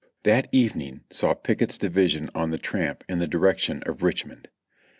That evening saw Pickett's division on the tramp in the direc tion of Richmond.